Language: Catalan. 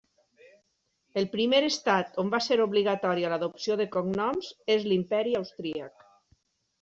El primer estat on va ser obligatòria l'adopció de cognoms és l'Imperi austríac.